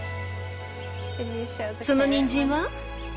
そのにんじんは？